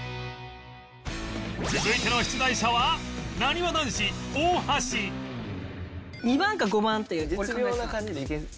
続いての出題者はなにわ男子２番か５番って俺考えてた。